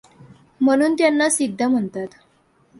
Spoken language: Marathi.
म्हणून त्यांना सिद्ध म्हणतात.